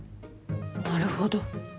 なるほど。